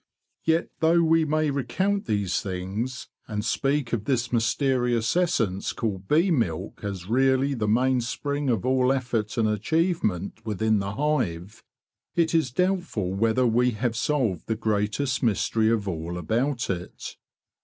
Yet though we may recount these things, and speak of this mysterious essence called bee milk as really the mainspring of all effort and achievement within the hive, it is doubtful whether we have solved the greatest mystery of all about it.